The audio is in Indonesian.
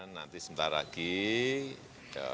oke nanti sebentar lagi kita akan menjelaskan